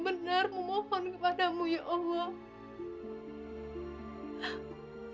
amba benar benar memohon kepadamu ya allah